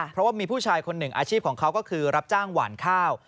เพราะว่ามีผู้ชายคนหนึ่งอาชีพของเขาก็คือรับจ้างหวานข้าว